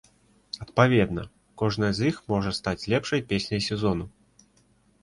Адпаведна, кожная з іх можа стаць лепшай песняй сезону.